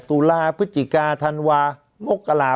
ตุลาพฤศจิกาธันวามกรา